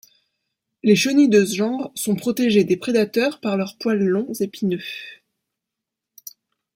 Les chenilles de ce genre sont protégées des prédateurs par leurs poils longs épineux.